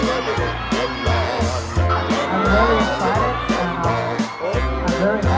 โอเคเจ้าสหายความที่รักขอให้พี่นำมา